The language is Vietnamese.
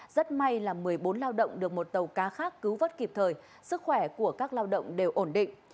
rất may là một mươi bốn lao động được một tàu cá khác cứu vớt kịp thời sức khỏe của các lao động đều ổn định